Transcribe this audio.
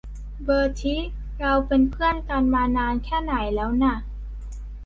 เบอร์ทิ เราเป็นเพือนกันมานานแค่ไหนแล้วนะ ?